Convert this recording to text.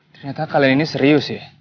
ternyata kalian ini serius ya